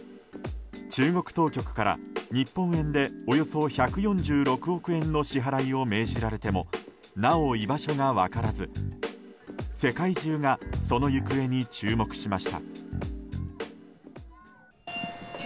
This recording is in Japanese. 中国当局から日本円でおよそ１４６億円の支払いを命じられてもなお居場所が分からず世界中がその行方に注目しました。